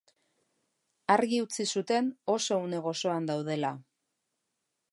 Argi utzi zuten oso une gozoan daudela.